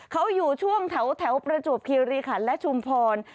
เขาอยู่ช่วงแถวประจวบคิริขันและชุมพร